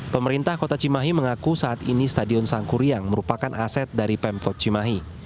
pemerintah kota cimahi mengaku saat ini stadion sangkuriang merupakan aset dari pemkot cimahi